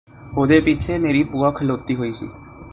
ਉਹਦੇ ਪਿੱਛੇ ਮੇਰੀ ਭੂਆ ਖਲੋਤੀ ਹੋਈ ਸੀ